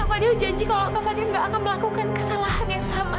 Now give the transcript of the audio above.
kak fadil janji kalau kak fadil tidak akan melakukan kesalahan yang sama